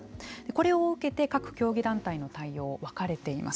これを受けて各競技団体の対応は分かれています。